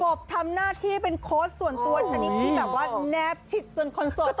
บทำหน้าที่เป็นโค้ชส่วนตัวชนิดที่แบบว่าแนบชิดจนคอนเสิร์ต